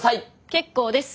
結構です。